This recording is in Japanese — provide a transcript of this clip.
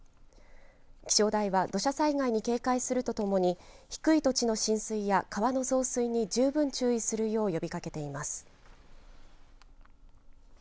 気象台は土砂災害に警戒するとともに低い土地の浸水や川の増水に十分注意するよう呼びかけています。